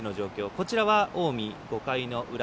こちらは近江、５回の裏。